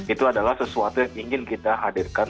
itu adalah sesuatu yang ingin kita hadirkan